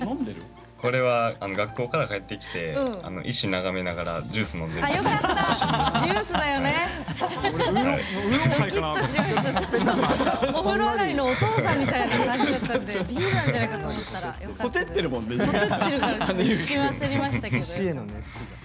これは学校から帰ってきて石を眺めながらジュース飲んでる写真ですね。